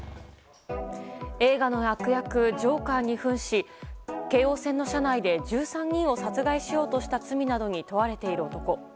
映画の悪役ジョーカーに扮し京王線の車内で１３人を殺害しようとした罪に問われている男。